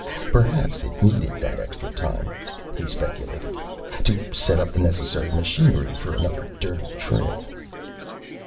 Perhaps it needed that extra time, he speculated, to set up the necessary machinery for another dirty trick.